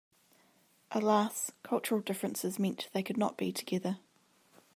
Alas, cultural differences meant they could not be together.